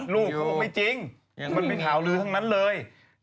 หื้นพ่อลูกไม่จริงมันไม่เท่าลื้อทั้งนั้นเลย